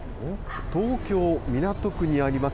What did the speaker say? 東京・港区にあります